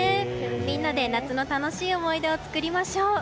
みんなで夏の楽しい思い出を作りましょう。